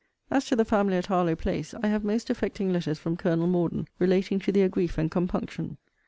As to the family at Harlowe place, I have most affecting letters from Colonel Morden relating to their grief and compunction.